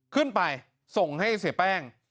ขึ้นไปส่งให้เสียแป้ง